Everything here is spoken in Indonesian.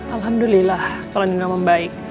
alhamdulillah kalau nino membaik